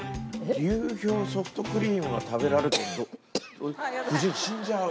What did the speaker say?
流氷ソフトクリームが食べられる券。